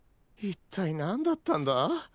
一体なんだったんだ？